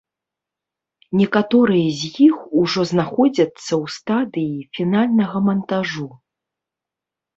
Некаторыя з іх ужо знаходзяцца ў стадыі фінальнага мантажу.